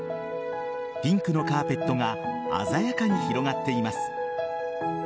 ピンクのカーペットが鮮やかに広がっています。